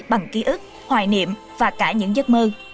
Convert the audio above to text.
bằng ký ức hoài niệm và cả những giấc mơ